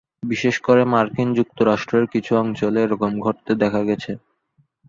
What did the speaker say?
বিশেষ করে মার্কিন যুক্তরাষ্ট্রের কিছু অঞ্চলে এরকম ঘটতে দেখা গেছে।